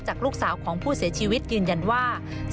จากลูกสาวความคงผู้เสียชีวิตยืนยันว่า๑๓